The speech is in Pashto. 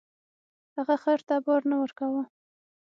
هغه خر ته بار نه ورکاوه.